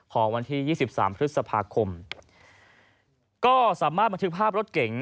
ของวันที่ยี่สิบสามพฤษภาคมก็สามารถบันทึกภาพรถเก๋ง